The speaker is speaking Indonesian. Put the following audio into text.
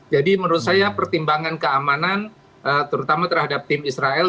jadi menurut saya pertimbangan keamanan terutama terhadap tim israel